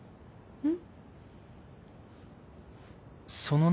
うん。